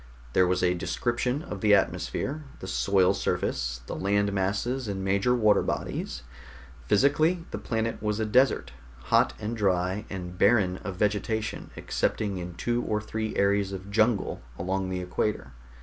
There was a description of the atmosphere, the soil surface, the land masses and major water bodies. Physically, the planet was a desert, hot and dry, and barren of vegetation excepting in two or three areas of jungle along the equator.